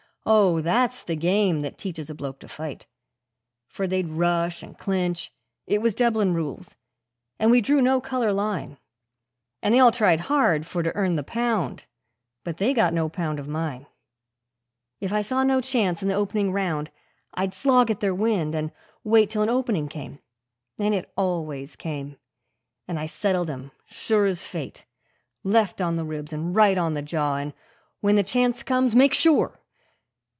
Oh, that's the game that teaches a bloke to fight, For they'd rush and clinch, it was Dublin Rules, and we drew no colour line; And they all tried hard for to earn the pound, but they got no pound of mine: If I saw no chance in the opening round I'd slog at their wind, and wait Till an opening came and it ALWAYS came and I settled 'em, sure as fate; Left on the ribs and right on the jaw and, when the chance comes, MAKE SURE!